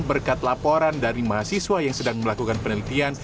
berkat laporan dari mahasiswa yang sedang melakukan penelitian